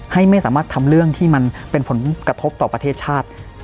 ไม่สามารถทำเรื่องที่มันเป็นผลกระทบต่อประเทศชาติ